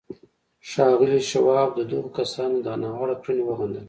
ښاغلي شواب د دغو کسانو دا ناوړه کړنې وغندلې.